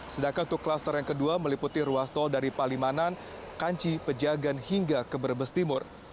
sedangkan untuk klaser yang kedua meliputi ruas tol dari palimanan kanci pejagan hingga keberbestimur